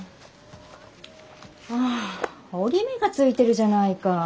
ああ折り目がついてるじゃないか。